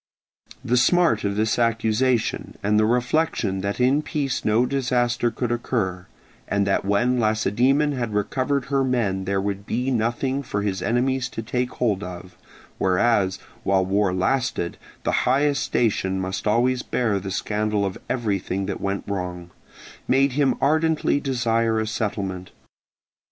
The smart of this accusation, and the reflection that in peace no disaster could occur, and that when Lacedaemon had recovered her men there would be nothing for his enemies to take hold of (whereas, while war lasted, the highest station must always bear the scandal of everything that went wrong), made him ardently desire a settlement.